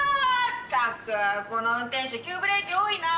ったくこの運転手急ブレーキ多いな。